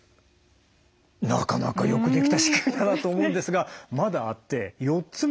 なかなかよくできた仕組みだなと思うんですがまだあって４つ目がこちら。